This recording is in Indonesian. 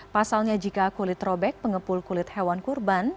pasalnya jika kulit robek pengepul kulit hewan kurban